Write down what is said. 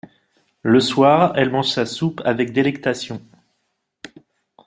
Le soir, elle mange sa soupe avec délectation.